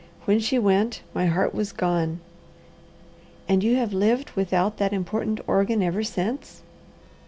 When she went, my heart was gone." "And you have lived without that important organ ever since?"